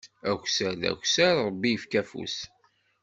Akessar d akessar, Ṛebbi ifka afus.